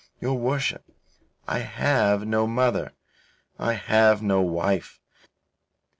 Your worship, I have no mother; I have no wife.